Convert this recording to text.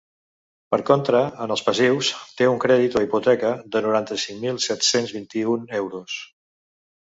Per contra, en els passius, té un crèdit o hipoteca de noranta-cinc mil set-cents vint-i-un euros.